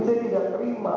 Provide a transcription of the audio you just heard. saya tidak terima